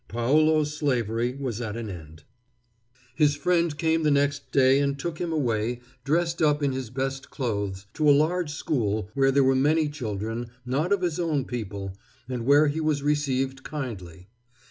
Paolo's slavery was at an end. His friend came the next day and took him away, dressed up in his best clothes, to a large school where there were many children, not of his own people, and where he was received kindly.